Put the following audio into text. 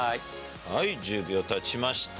はい、１０秒たちました。